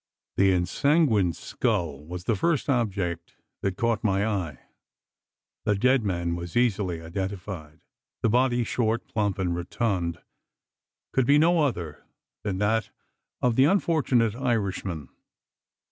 The ensanguined skull was the first object that caught my eye. The dead man was easily identified. The body short, plump, and rotund could be no other than that of the unfortunate Irishman.